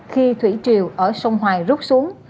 khi thủy triều ở sông hoài rút xuống